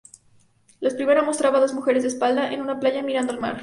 La primera mostraba dos mujeres de espaldas, en una playa, mirando al mar.